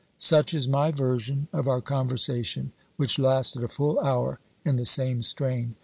Such is my version of our conversation, which lasted a full hour in the same strain.